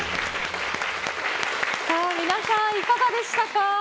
皆さん、いかがでしたか？